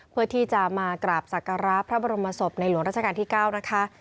เพื่อที่จะมากราบสักการะพระบรมศพในหลวงราชการที่๙นะคะ